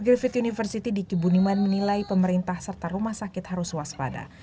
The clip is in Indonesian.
dr griffith university di kibuniman menilai pemerintah serta rumah sakit harus waspada